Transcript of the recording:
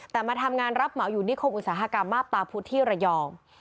แต่มาทำงานรับเหมาอยู่นิคมอุตสาหกรรมมาบตาพุทธที่ระยอง